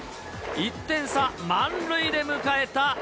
１点差、満塁で迎えた